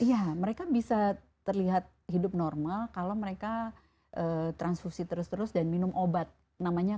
iya mereka bisa terlihat hidup normal kalau mereka transfusi terus terus dan minum obat namanya